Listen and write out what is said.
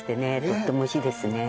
とっても美味しいですね。